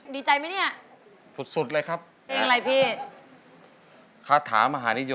แหมเลือกมีอย่างก็ตาเห็นเลย